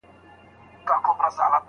نه محتاج یو د انسان نه غلامان یو